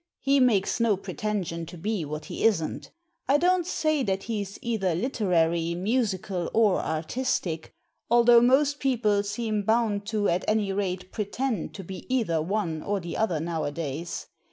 He makes no pretension to be what he isn't I don't say that he's either literary, musical, or artistic, although most people seem bound to at any rate pretend to be either one or the other nowadays.